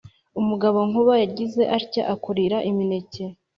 umugabo nkuba yagize atya akurira imineke